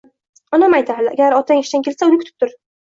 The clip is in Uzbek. Onam aytardi: "Agar otang ishdan kelsa, uni kutib tur